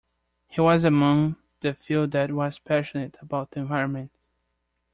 He was among the few that was passionate about the environment.